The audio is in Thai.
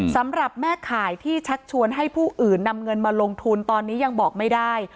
สำหรับแม่ข่ายที่ชักชวนให้ผู้อื่นนำเงินมาลงทุนตอนนี้ยังบอกไม่ได้